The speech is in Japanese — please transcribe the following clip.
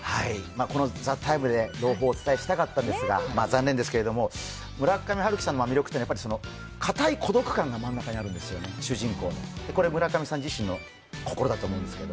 この「ＴＨＥＴＩＭＥ，」で朗報をお伝えしたかったんですが、残念ですけれども、村上春樹さんの魅力は堅い孤独感があるんですよ、主人公これ村上さん自身の心だと思うんですけど。